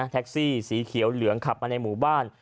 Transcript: แท็กซี่สีเขียวเหลืองขับมาในหมู่บ้าน